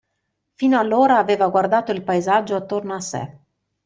Fino allora aveva guardato il paesaggio attorno a sé.